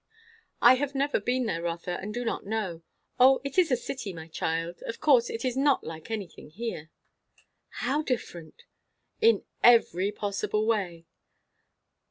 "I have never been there, Rotha, and do not know. O it is a city, my child; of course; it is not like anything here." "How different?" "In every possible way."